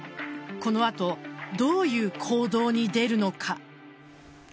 この後、どういう行動に出るのか。